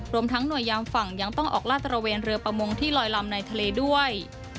รวมทั้งหน่วยยามฝั่งยังต้องออกลาดตระเวนเรือประมงที่ลอยลำในทะเลด้วย